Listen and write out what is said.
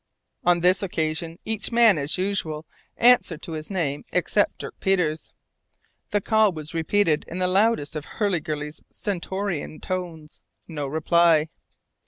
On this occasion each man as usual answered to his name except Dirk Peters. The call was repeated in the loudest of Hurliguerly's stentorian tones. No reply.